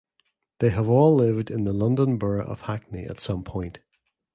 They have all lived in the London Borough of Hackney at some point.